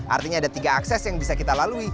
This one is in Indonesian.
artinya ada tiga akses yang bisa kita lalui